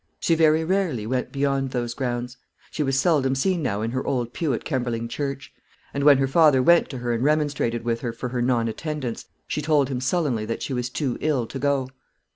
She very rarely went beyond those grounds. She was seldom seen now in her old pew at Kemberling Church; and when her father went to her and remonstrated with her for her non attendance, she told him sullenly that she was too ill to go.